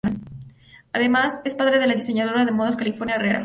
Además es padre de la diseñadora de modas Carolina Herrera.